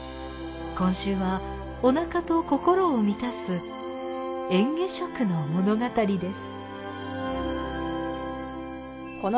今週はお腹と心を満たす嚥下食の物語です。